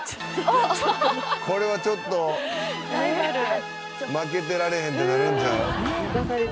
これはちょっと「負けてられへん」ってなるんちゃう？